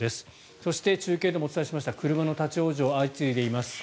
そして、中継でもお伝えしました車の立ち往生が相次いでいます。